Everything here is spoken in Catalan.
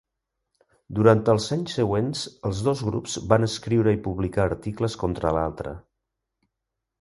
Durant els anys següents, els dos grups van escriure i publicar articles contra l'altre.